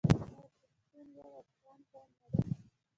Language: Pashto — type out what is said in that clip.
آیا پښتون یو افغان قوم نه دی؟